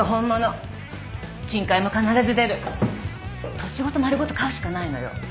土地ごと丸ごと買うしかないのよ。